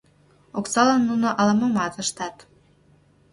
Оксалан нуно ала-момат ыштат.